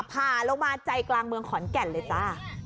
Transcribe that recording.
ผ่าลงมาใจกลางเมืองขอนแก่นเลยจ้า